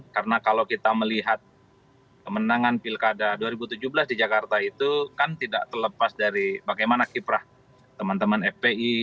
karena kalau kita melihat kemenangan pilkada dua ribu tujuh belas di jakarta itu kan tidak terlepas dari bagaimana kiprah teman teman fpi